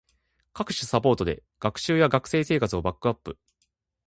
各種サポートで学習や学生生活をバックアップ